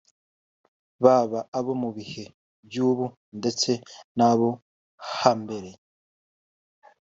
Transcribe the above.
baba abo mu bihe by’ubu ndetse n’abo hambere